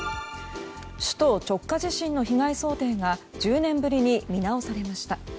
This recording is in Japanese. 首都直下地震の被害想定が１０年ぶりに見直されました。